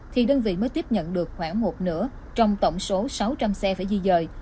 thì đơn vị mới tiếp nhận được khoảng một nửa trong tổng số sáu trăm linh xe phải di dời